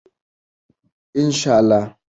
ان شاء الله.